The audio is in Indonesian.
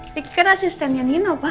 ini kan asistennya nino pak